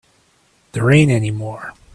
There ain't any more.